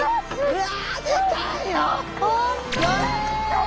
うわ！